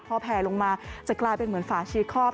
พอแผลลงมาจะกลายเป็นเหมือนฝาชีคอบ